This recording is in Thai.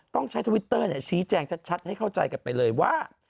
ต้องใช้ทวิตเตอร์ชี้แจงชัดให้เข้าใจกันไปเลยว่า